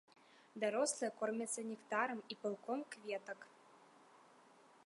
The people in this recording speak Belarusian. Дарослыя кормяцца нектарам і пылком кветак.